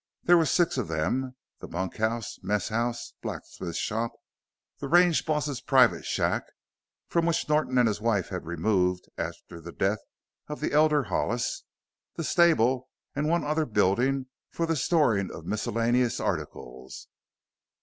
There were six of them the bunkhouse, mess house, blacksmith shop, the range boss's private shack (from which Norton and his wife had removed after the death of the elder Hollis), the stable, and one other building for the storing of miscellaneous articles.